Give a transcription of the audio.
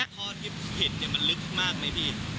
ท่อที่เห็นมันลึกมากไหมพี่